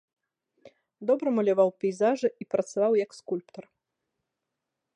Добра маляваў пейзажы і працаваў як скульптар.